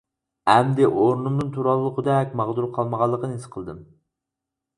ئەمدى ئورنۇمدىن تۇرالىغۇدەك ماغدۇر قالمىغانلىقىنى ھېس قىلدىم.